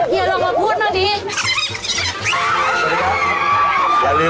บอกได้ว่าวินูของเรามี๓๐วันนี้ดู